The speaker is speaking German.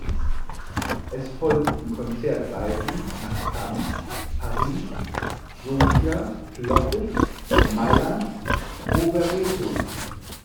Es folgten Konzertreisen nach Cannes, Paris, Sofia, Plovdiv, Mailand, Rovereto.